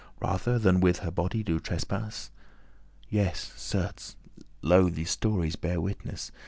Rather than with her body do trespass? Yes, certes; lo, these stories bear witness.